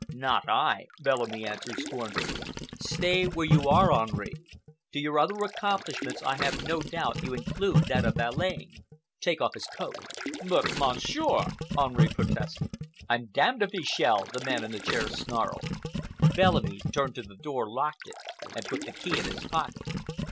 "Not I," Bellamy answered scornfully. "Stay where you are, Henri. To your other accomplishments I have no doubt you include that of valeting. Take off his coat." "But, Monsieur!" Henri protested. "I'm d—d if he shall!" the man in the chair snarled. Bellamy turned to the door, locked it, and put the key in his pocket.